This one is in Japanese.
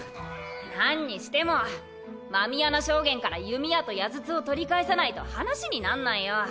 なんにしても狸穴将監から弓矢と矢筒を取り返さないと話になんないよ。